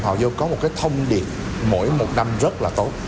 họ vô có một cái thông điệp mỗi một năm rất là tốt